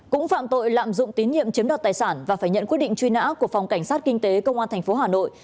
cũng phạm tội lạm dụng tín nhiệm chiếm đoạt tài sản và phải nhận quyết định truy nã của phòng cảnh sát kinh tế công an tp hà nội